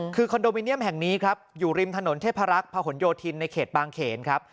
คือคอนโดมิเนียมแห่งนี้ครับอยู่ริมถนนเทพรักษ์พะหนโยธินในเขตบางเขนครับ